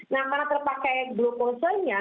nah karena terpakai glukosanya